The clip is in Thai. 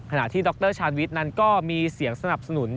ที่ดรชาญวิทย์นั้นก็มีเสียงสนับสนุน